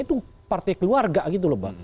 itu partai keluarga gitu loh mbak